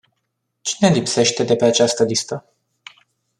Cine lipsește de pe această listă?